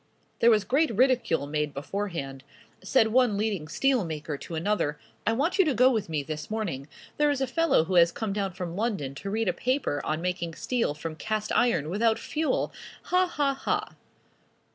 There was great ridicule made beforehand. Said one leading steel maker to another. "I want you to go with me this morning. There is a fellow who has come down from London to read a paper on making steel from cast iron without fuel! Ha! ha! ha!"